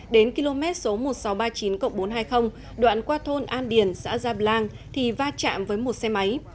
đến km số một nghìn sáu trăm ba mươi chín bốn trăm hai mươi đoạn qua thôn an điền xã gia blang thì va chạm với một xe máy